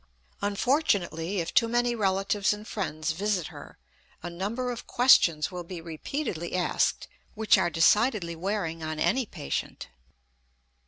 Unfortunately, if too many relatives and friends visit her a number of questions will be repeatedly asked which are decidedly wearing on any patient.